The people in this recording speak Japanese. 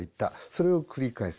それを繰り返す。